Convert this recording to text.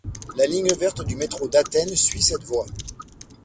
La ligne verte du Métro d'Athènes suit cette voie.